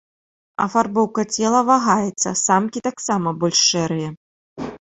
Афарбоўка цела вагаецца, самкі таксама больш шэрыя.